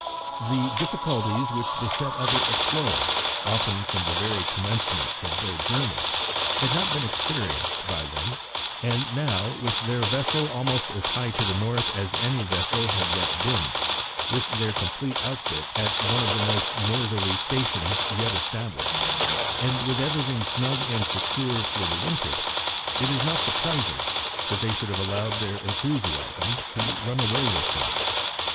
The difficulties which beset other explorers, often from the very commencement of their journeys, had not been experienced by them, and now, with their vessel almost as high to the north as any vessel had yet been, with their complete outfit at one of the most northerly stations yet established, and with everything snug and secure for the winter, it is not surprising that they should have allowed their enthusiasm to run away with them.